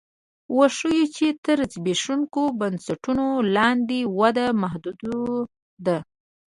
وښیو چې تر زبېښونکو بنسټونو لاندې وده محدوده ده